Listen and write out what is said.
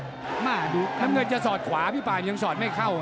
มาดูน้ำเงินจะสอดขวาพี่ป่านยังสอดไม่เข้า